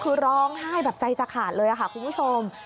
คือร้องไห้แบบใจจะขาดเลยค่ะคุณผู้ชม